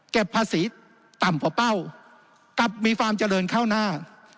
เก็บภาษีต่ำพอเป้ากลับมีความเจริญก้าวหน้า